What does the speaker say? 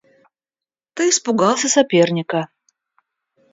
Ты испугался соперника.